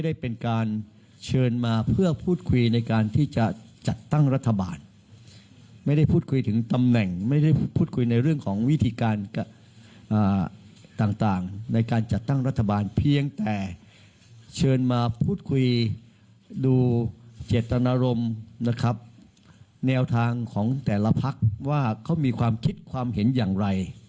ดูเจตนารมณ์แนวทางของแต่ละพักว่าเขามีความคิดความเห็นอย่างไร